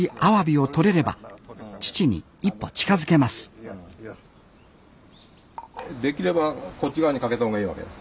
できればこっち側にかけた方がいいわけ？